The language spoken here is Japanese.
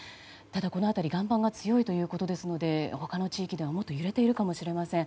ただ、この辺り岩盤が強いということですので他の地域ではもっと揺れているかもしれません。